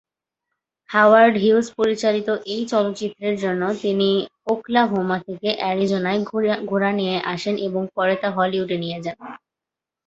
Howard Hughes পরিচালিত এই চলচ্চিত্রের জন্য তিনি ওকলাহোমা থেকে অ্যারিজোনায় ঘোড়া নিয়ে আসেন এবং পরে তা হলিউডে নিয়ে যান।